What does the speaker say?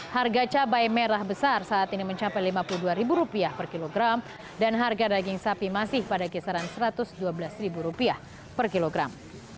harga cabai merah besar saat ini mencapai lima puluh dua ribu rupiah per kilogram dan harga daging sapi masih pada kisaran satu ratus dua belas ribu rupiah per kilogram